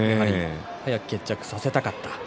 早く決着させたかった。